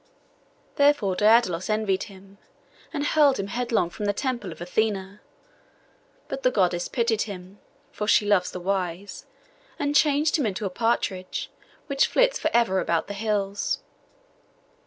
Therefore Daidalos envied him, and hurled him headlong from the temple of Athené; but the Goddess pitied him (for she loves the wise), and changed him into a partridge, which flits for ever about the hills.